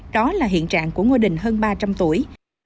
đó là hiện trạng của ngôi đình hơn ba trăm linh tuổi